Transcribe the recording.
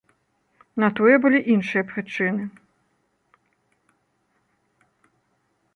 На тое былі іншыя прычыны.